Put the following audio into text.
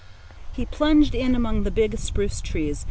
He plunged in among the big spruce trees.